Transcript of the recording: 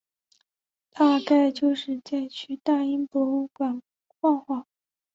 大概就是再去大英博物馆晃晃